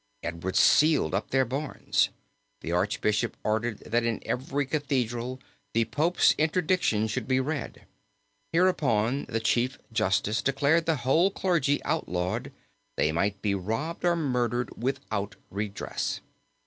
Edward sealed up their barns. The archbishop ordered that in every cathedral the pope's interdiction should be read. Hereupon the chief justice declared the whole clergy outlawed; they might be robbed or murdered without redress.